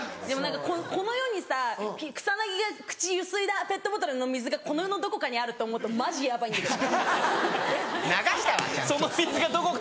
でもこの世にさ草薙が口ゆすいだペットボトルの水がこの世のどこかにあると思うとマジヤバいんだけど。